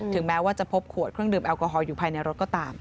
แม้ว่าจะพบขวดเครื่องดื่มแอลกอฮอลอยู่ภายในรถก็ตาม